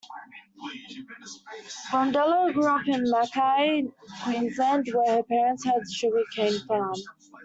Brondello grew up in Mackay, Queensland, where her parents had a sugar cane farm.